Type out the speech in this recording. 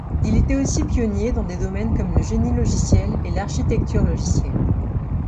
Il était aussi pionnier dans des domaines comme le génie logiciel et l'architecture logicielle.